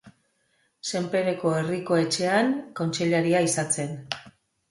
Senpereko Herriko Etxean kontseilaria izan zen.